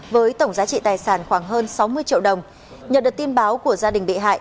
với tổng giá trị tài sản khoảng hơn sáu mươi triệu đồng nhận được tin báo của gia đình bị hại